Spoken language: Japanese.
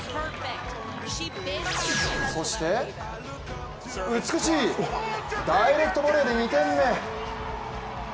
そして美しいダイレクトボレーで２点目。